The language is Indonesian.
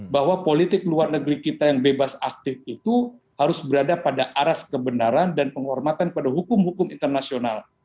bahwa politik luar negeri kita yang bebas aktif itu harus berada pada aras kebenaran dan penghormatan pada hukum hukum internasional